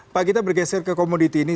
pak kita bergeser ke komoditi ini